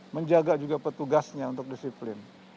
menjaga juga petugasnya untuk disiplin